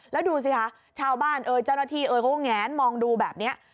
แล้วดูสิคะชาวบ้านเอ่ยเจ้าหน้าที่เอ่ยเขาก็แงนมองดูแบบนี้